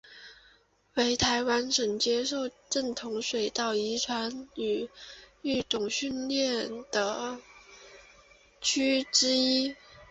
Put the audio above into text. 为台湾接受正统水稻遗传与育种训练的先驱之一。